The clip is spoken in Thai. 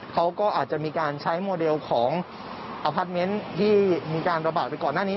เขาก็อาจจะมีการใช้โมเดลของที่มีการระบาดไปก่อนหน้านี้